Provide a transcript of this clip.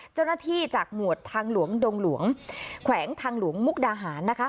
เจ้าหน้าที่จากหมวดทางหลวงดงหลวงแขวงทางหลวงมุกดาหารนะคะ